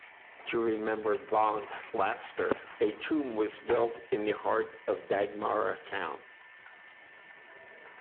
To remember Bong Lasker, a tomb was built in the heart of Baghmara town.